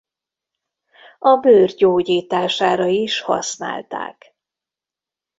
A bőr gyógyítására is használták.